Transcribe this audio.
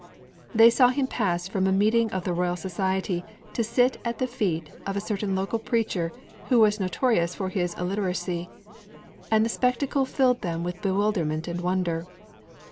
They saw him pass from a meeting of the Royal Society to sit at the feet of a certain local preacher who was notorious for his illiteracy; and the spectacle filled them with bewilderment and wonder.